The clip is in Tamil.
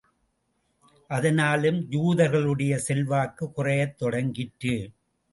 அதனாலும், யூதர்களுடைய செல்வாக்குக் குறையத் தொடங்கிற்று.